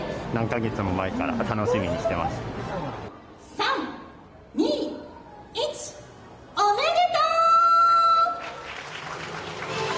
３、２、１おめでとう。